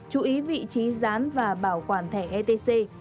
chú ý vị trí dán và bảo quản thẻ etc